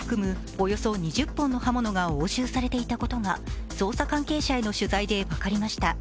およそ２０本の刃物が押収されていたことが捜査関係者への取材で分かりました。